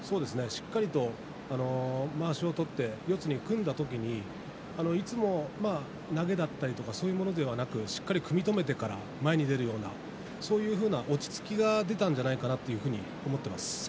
しっかりとまわしを取って四つに組んだ時にいつもは投げだったりそういうものではなくしっかりと組み止めてから前に出るようなそういう落ち着きが出たのではないかなと思っています。